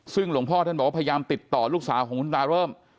ซึ่งหลวงพ่อท่านบอกว่าพยายามติดต่อลูกสาวของคุณตาเริ่ม